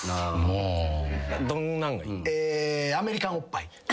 どんなんがいいん？